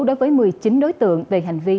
đối với một mươi chín đối tượng về hành vi